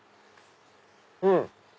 うん！